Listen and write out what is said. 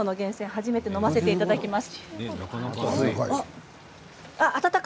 初めて飲ませていただきます。